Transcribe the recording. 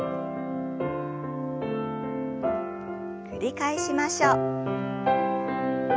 繰り返しましょう。